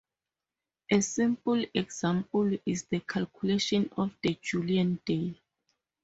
A simple example is the calculation of the Julian day.